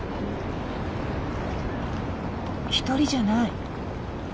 １人じゃない。